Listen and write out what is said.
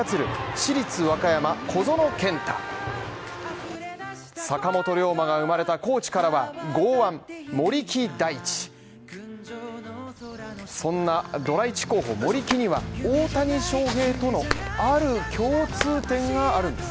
市立和歌山・小園健太坂本龍馬が生まれた高知からは豪腕森木大智そんなドラ１候補森木には大谷翔平とのある共通点があるんです。